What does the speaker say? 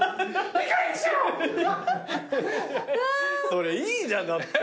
それいいじゃんだって。